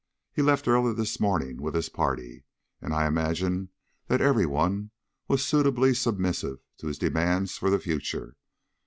He left early this morning with his party, and I imagine that everyone was suitably submissive to his demands for the future.